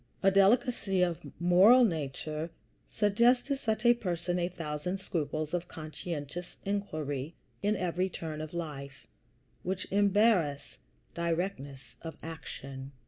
A delicacy of moral nature suggests to such a person a thousand scruples of conscientious inquiry in every turn of life, which embarrass directness of action.